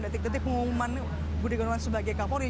detik detik pengumuman budi gunawan sebagai kapolri